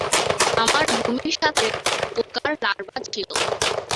আমার বমির সাথে পোকার লার্ভা ছিল।